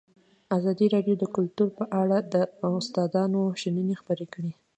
ازادي راډیو د کلتور په اړه د استادانو شننې خپرې کړي.